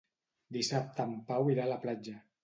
Dissabte en Pau irà a la platja.